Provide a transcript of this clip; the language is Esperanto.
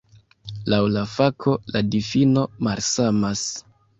Laŭ la fako la difino malsamas.